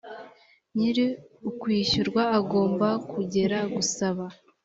nyir ukwishyurwa agomba kongera gusaba